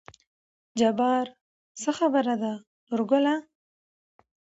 جبار : څه خبره ده نورګله